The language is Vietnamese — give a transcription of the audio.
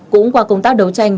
cũng qua công tác đấu tranh